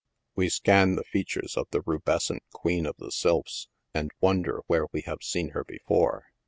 "We scan the features of the rubescent queen of the sylphs, and wonder where we have seen her before.